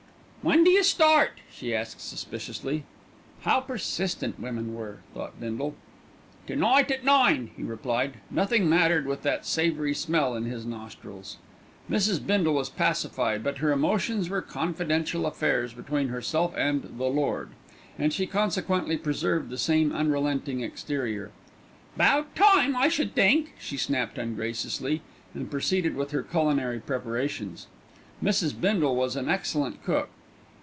"When d'you start?" she asked suspiciously. How persistent women were! thought Bindle. "To night at nine," he replied. Nothing mattered with that savoury smell in his nostrils. Mrs. Bindle was pacified; but her emotions were confidential affairs between herself and "the Lord," and she consequently preserved the same unrelenting exterior. "'Bout time, I should think," she snapped ungraciously, and proceeded with her culinary preparations. Mrs. Bindle was an excellent cook.